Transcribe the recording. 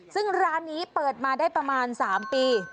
ซึ่งร้านนี้เปิดมาได้ประมาณ๓ปี